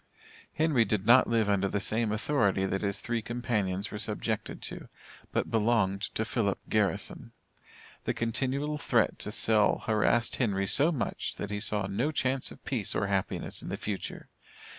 Henry did not live under the same authority that his three companions were subjected to, but belonged to Philip Garrison. The continual threat to sell harassed Henry so much, that he saw no chance of peace or happiness in the future.